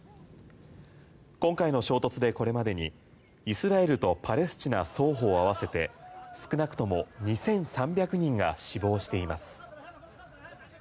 今回の衝突でこれまでにイスラエルとパレスチナ双方合わせて少なくとも２３００人が死亡しています。